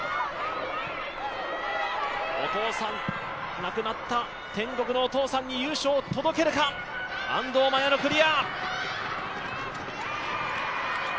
亡くなった天国のお父さんに優勝を届けられるか、安藤麻耶のクリア。